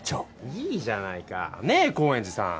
いいじゃないかねぇ高円寺さん。